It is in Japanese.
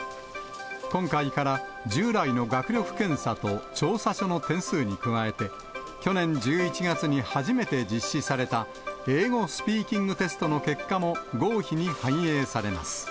今回から従来の学力検査と調査書の点数に加えて、去年１１月に初めて実施された英語スピーキングテストの結果も合否に反映されます。